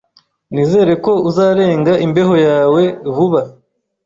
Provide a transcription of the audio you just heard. Nizere ko uzarenga imbeho yawe vuba.